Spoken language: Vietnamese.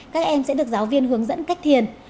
các em sẽ được giáo viên hướng dẫn cách thiền